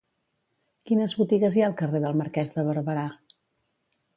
Quines botigues hi ha al carrer del Marquès de Barberà?